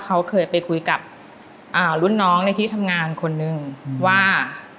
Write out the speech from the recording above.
เขาเคยไปคุยกับรุ่นน้องในที่ทำงานคนนึงว่า